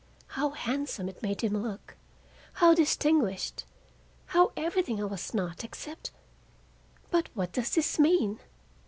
How handsome it made him look, how distinguished, how everything I was not except— But what does this mean?